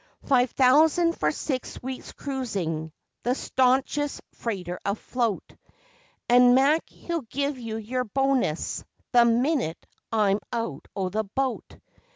Five thousand for six weeks' cruising, the stanchest freighter afloat, And Mac he'll give you your bonus the minute I'm out o' the boat!